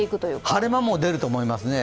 晴れ間も出ると思いますね。